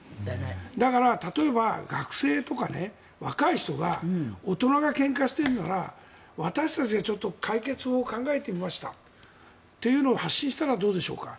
だから例えば、学生とか若い人が大人がけんかしてるなら私たちが解決法を考えてみましたというのを発信したらどうでしょうか。